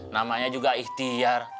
namanya juga ihtiyar